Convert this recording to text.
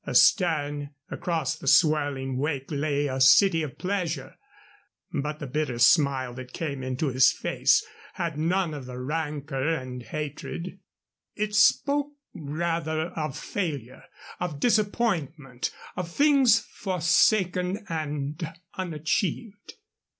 Astern, across the swirling wake, lay the city of pleasure, but the bitter smile that came into his face had none of the rancor of hatred. It spoke rather of failure, of disappointment, of things forsaken and unachieved.